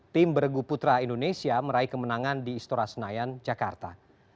tim bergu putra indonesia meraih kemenangan di istora senayan jakarta